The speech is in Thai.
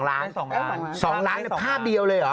๒ล้านอันนี้ภาพเดียวเลยเหรอ